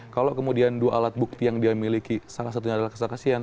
kalau kemudian dua alat bukti yang dia miliki salah satunya adalah kesaksian